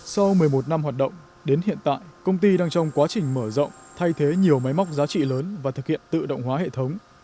sau một mươi một năm hoạt động đến hiện tại công ty đang trong quá trình mở rộng thay thế nhiều máy móc giá trị lớn và thực hiện tự động hóa hệ thống